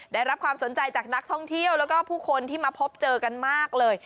ได้รับความสนใจจากนักท่องเที่ยวแล้วก็ผู้คนที่มาพบเจอกันมากเลย